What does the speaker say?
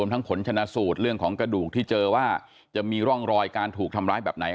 ทั้งผลชนะสูตรเรื่องของกระดูกที่เจอว่าจะมีร่องรอยการถูกทำร้ายแบบไหน